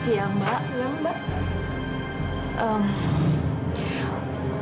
selamat siang mbak